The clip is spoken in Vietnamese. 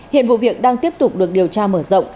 hiện vụ việc đang tiếp tục được điều tra mở rộng